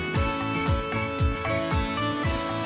ก็กลับมาตรวจสอบกันเท่านั้นนะครับ